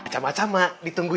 acama acama ditunggu ya